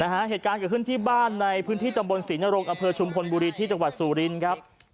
เหตุการณ์เกิดขึ้นที่บ้านในพื้นที่ตำบลศรีนรงอำเภอชุมพลบุรีที่จังหวัดสุรินครับ